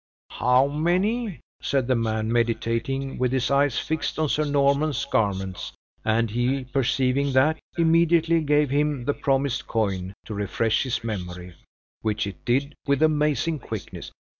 "How many?" said the man, meditating, with his eyes fixed on Sir Norman's garments, and he, perceiving that, immediately gave him the promised coin to refresh his memory, which it did with amazing quickness.